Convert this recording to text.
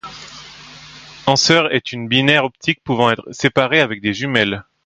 Anser est une binaire optique pouvant être séparée avec des jumelles.